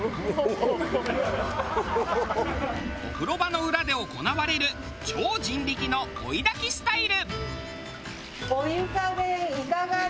お風呂場の裏で行われる超人力の追い焚きスタイル。